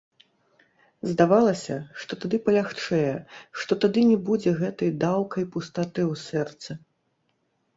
Здавалася, што тады палягчэе, што тады не будзе гэтай даўкай пустаты ў сэрцы.